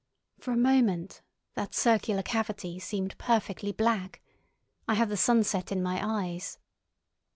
For a moment that circular cavity seemed perfectly black. I had the sunset in my eyes.